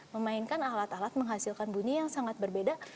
memainkan alat alat menghasilkan bunyi yang sangat berbeda